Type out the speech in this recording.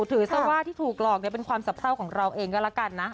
ถืออาวาที่ถูกรองเป็นความสะเทาของเราเองก็ล่ะกันนะ